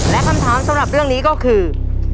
และคำถามสำหรับเรื่องนี้ก็คือ